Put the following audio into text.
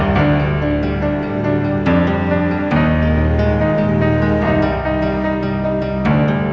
ceng kamu mau ceng